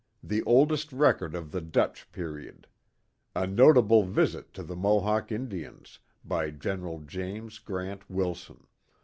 The Oldest Record of the Dutch Period. A Notable Visit to the Mohawk Indians. By General Jamks Grant Wilson.